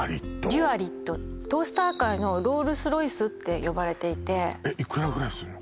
デュアリットトースター界のロールスロイスって呼ばれていてえっいくらぐらいするの？